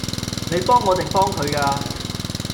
你幫我定幫佢㗎？